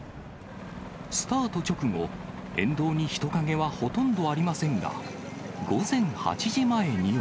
スタート直後、沿道に人影はほとんどありませんが、午前８時前には。